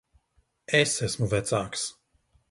Es esmu vecāks.